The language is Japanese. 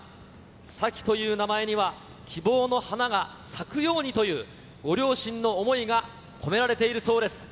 咲希という名前には、希望の花が咲くようにという、ご両親の想いが込められているそうです。